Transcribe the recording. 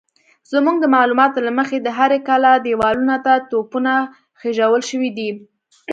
زموږ د معلوماتو له مخې د هرې کلا دېوالونو ته توپونه خېژول شوي دي.